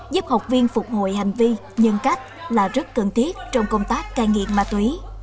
giúp học viên phục hồi hành vi nhân cách là rất cần thiết trong công tác cai nghiện ma túy